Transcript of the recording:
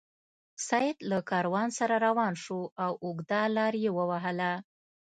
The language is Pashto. سید له کاروان سره روان شو او اوږده لار یې ووهله.